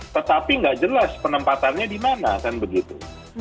tetapi nggak jelas penempatannya dimana kan begitu